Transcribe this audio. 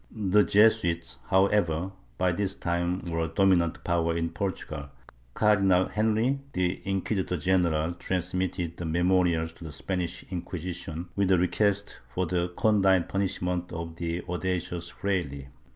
The Jesuits, however, by this time were a domi nant power in Portugal; Cardinal Henry, the inquisitor general, transmitted the memorials to the Spanish Inquisition, with a request for the condign punishment of the audacious fraile.